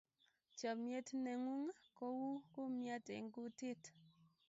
chamiet ne ng'un ko u kumiat eng' kutit